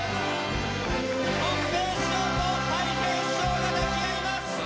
こん平師匠と、たい平師匠が抱き合います。